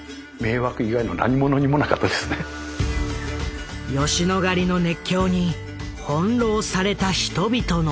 吉野ヶ里の熱狂に翻弄された人々の思いとは。